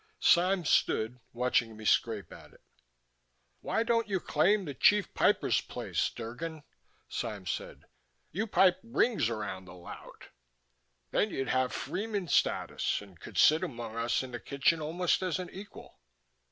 Sime stood watching me scrape at it. "Why don't you claim the Chief Piper's place, Drgon?" Sime said. "You pipe rings around the lout. Then you'd have freeman status, and could sit among us in the kitchen almost as an equal."